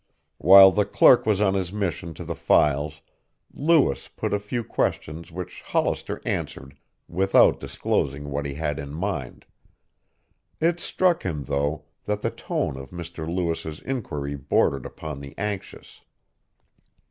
While the clerk was on his mission to the files Lewis put a few questions which Hollister answered without disclosing what he had in mind. It struck him, though, that the tone of Mr. Lewis' inquiry bordered upon the anxious.